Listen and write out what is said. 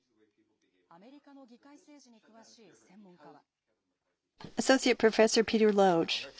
アメリカの議会政治に詳しい専門家は。